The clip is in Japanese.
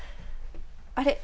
あれ？